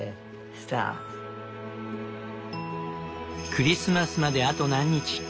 クリスマスまであと何日。